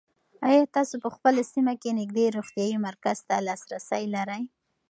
آیا تاسو په خپله سیمه کې نږدې روغتیایي مرکز ته لاسرسی لرئ؟